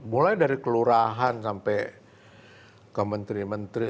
mulai dari kelurahan sampai ke menteri menteri